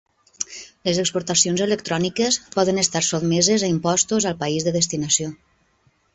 Les exportacions electròniques poden estar sotmeses a impostos al país de destinació.